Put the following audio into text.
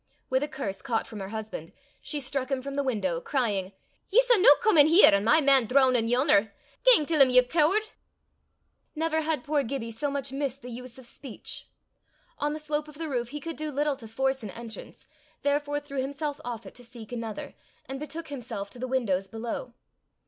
With a curse caught from her husband, she struck him from the window, crying, "Ye s' no come in here, an' my man droonin' yon'er! Gang till 'im, ye cooard!" Never had poor Gibbie so much missed the use of speech. On the slope of the roof he could do little to force an entrance, therefore threw himself off it to seek another, and betook himself to the windows below.